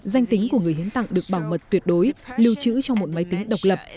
danh tính của người hiến tặng được bảo mật tuyệt đối lưu trữ trong một máy tính độc lập